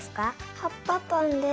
はっぱぱんです。